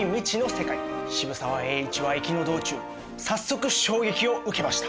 渋沢栄一は行きの道中早速衝撃を受けました。